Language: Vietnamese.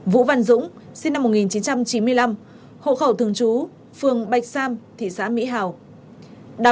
vũ văn dũng sinh năm một nghìn chín trăm chín mươi năm hộ khẩu thường trú phường bạch sam thị xã mỹ hào